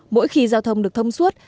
mỗi khi giao thông được thông suốt